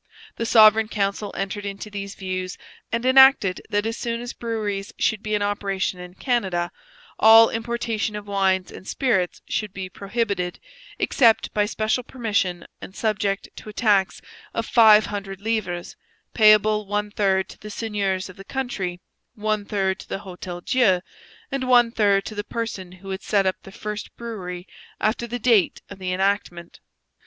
The Sovereign Council entered into these views and enacted that as soon as breweries should be in operation in Canada all importation of wines and spirits should be prohibited, except by special permission and subject to a tax of five hundred livres, payable one third to the seigneurs of the country, one third to the Hotel Dieu, and one third to the person who had set up the first brewery after the date of the enactment.